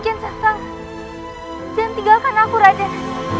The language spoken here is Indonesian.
jangan tinggalkan aku raden